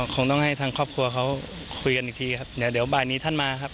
คงต้องให้ทางครอบครัวเขาคุยกันอีกทีครับเดี๋ยวเดี๋ยวบ่ายนี้ท่านมาครับ